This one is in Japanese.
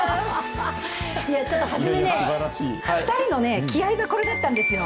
ちょっと初めね、２人の気合いがこれだったんですよ。